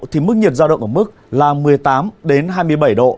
thì mức nhiệt giao động ở mức là một mươi tám hai mươi bảy độ